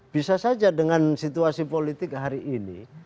bisa saja dengan situasi politik hari ini